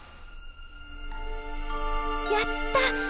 やった！